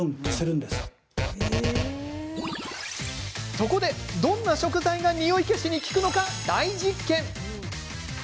そこで、どんな食材がにおい消しに効くのか大実験。